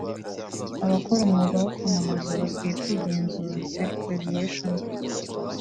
Abakora umwuga wo kwamamaza bakwiye kwigenzura (Self regulation)